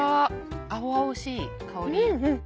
青々しい香り。